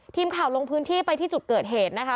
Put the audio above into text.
ทีมข่าวลงพื้นที่ไปที่จุดเกิดเหตุนะคะ